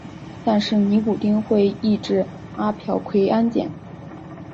但是尼古丁会抑制阿朴奎胺碱。